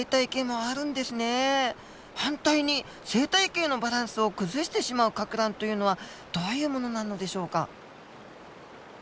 反対に生態系のバランスを崩してしまうかく乱というのはどういうものなのでしょうか？